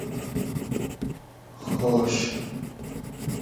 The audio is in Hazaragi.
خۉش